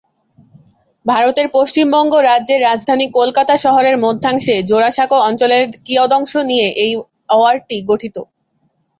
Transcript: ভারতের পশ্চিমবঙ্গ রাজ্যের রাজধানী কলকাতা শহরের মধ্যাংশে জোড়াসাঁকো অঞ্চলের কিয়দংশ নিয়ে এই ওয়ার্ডটি গঠিত।